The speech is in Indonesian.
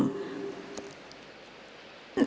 lalu pak bambang kesowo dulu jadi sekretaris seknek